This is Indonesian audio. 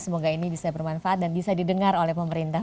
semoga ini bisa bermanfaat dan bisa didengar oleh pemerintah